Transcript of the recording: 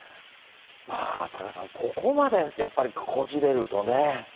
まあ、タカさん、ここまでやっぱりこじれるとね。